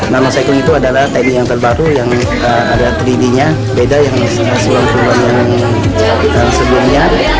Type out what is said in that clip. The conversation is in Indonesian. nano sighting itu adalah teknik yang terbaru yang ada tiga d nya beda yang hasilnya yang sebelumnya